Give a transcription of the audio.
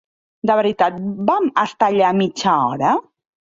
De veritat vam estar allà mitja hora?